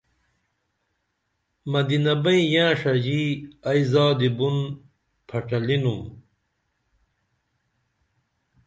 مدینہ بئیں ینہ ݜژی ائی زادی بُن پھڇہ لینُم